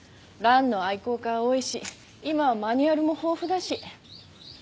蘭の愛好家は多いし今はマニュアルも豊富だし。